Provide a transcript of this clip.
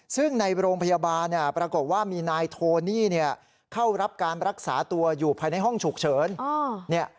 ซึ่งในโรงพยาบาลปรากฏว่ามีนายโทนี่เข้ารับการรักษาตัวอยู่ภายในห้องฉุกเฉิน